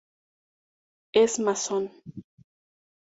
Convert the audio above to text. Es masón.